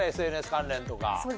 ＳＮＳ関連とか。